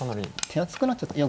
手厚くなっちゃって。